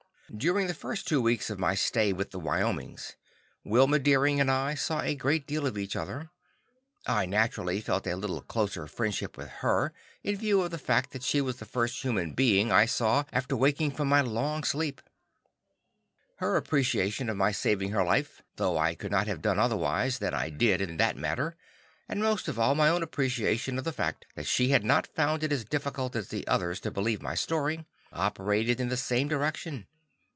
During the first two weeks of my stay with the Wyomings, Wilma Deering and I saw a great deal of each other. I naturally felt a little closer friendship for her, in view of the fact that she was the first human being I saw after waking from my long sleep; her appreciation of my saving her life, though I could not have done otherwise than I did in that matter, and most of all my own appreciation of the fact that she had not found it as difficult as the others to believe my story, operated in the same direction.